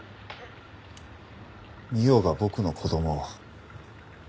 美緒が僕の子供を。